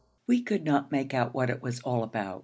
We could not make out what it was all about.